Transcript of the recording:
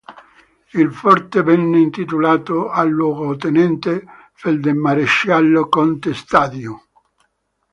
Il forte venne intitolato al luogotenente feldmaresciallo conte Stadion.